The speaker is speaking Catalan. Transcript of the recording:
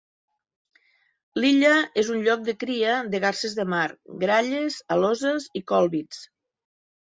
L'illa és un lloc de cria de garses de mar, gralles, aloses i còlbits.